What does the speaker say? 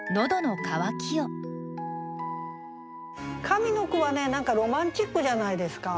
上の句は何かロマンチックじゃないですか。